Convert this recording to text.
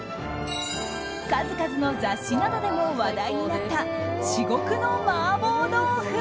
数々の雑誌などでも話題になった至極の麻婆豆腐。